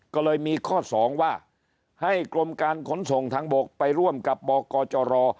ก็เลยมีข้อ๒ว่าให้กรมการขนส่งทางบกไปร่วมกับบกจร